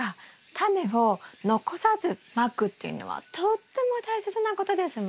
タネを残さずまくっていうのはとっても大切なことですものね。